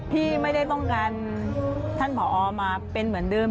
พี่ไม่ได้ต้องการท่านผอมาเป็นเหมือนเดิม